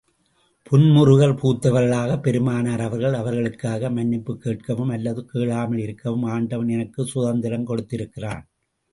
புன்முறுவல் பூத்தவர்களாகப் பெருமானார் அவர்கள் அவர்களுக்காக மன்னிப்புக் கேட்கவும் அல்லது கேளாமல் இருக்கவும் ஆண்டவன் எனக்குச் சுதந்திரம் கொடுத்திருக்கிறான்.